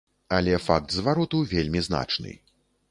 Але факт звароту вельмі значны.